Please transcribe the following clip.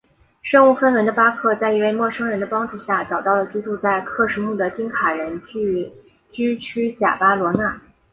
身无分文的巴克在一位陌生人的帮助下找到了居住在喀土穆的丁卡人聚居区贾巴罗纳。